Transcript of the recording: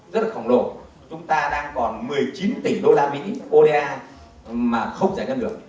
rất là khổng lồ chúng ta đang còn một mươi chín tỷ đô la mỹ oda mà không giải ngân được